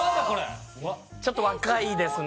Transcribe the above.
ちょっと若いですね